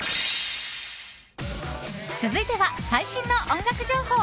続いては、最新の音楽情報。